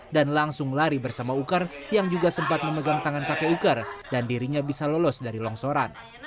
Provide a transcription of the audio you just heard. dan langsung lari bersama ukar yang juga sempat memegang tangan kakek ukar dan dirinya bisa lolos dari longsoran